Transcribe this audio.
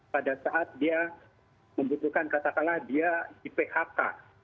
pada saat dia membutuhkan katakanlah dia di phk